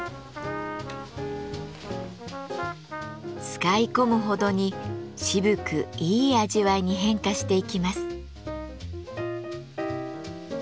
使い込むほどに渋くいい味わいに変化していきます。